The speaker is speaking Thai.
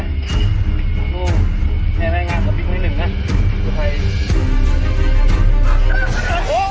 นั่นลูก